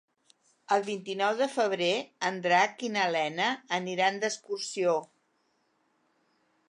El vint-i-nou de febrer en Drac i na Lena aniran d'excursió.